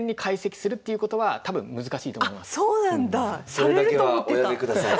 されると思ってた。